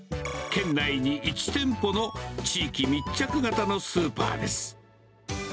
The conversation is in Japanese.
県内に１店舗の地域密着型のスーパーです。